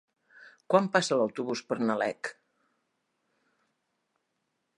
Quan passa l'autobús per Nalec?